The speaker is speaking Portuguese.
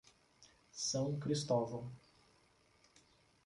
São Cristóvão